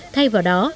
thay vào đó